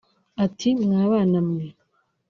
Ati"Mwa bana mwe